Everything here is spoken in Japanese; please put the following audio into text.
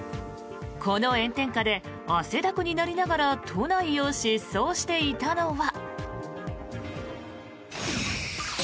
この炎天下で汗だくになりながら都内を疾走していたのは。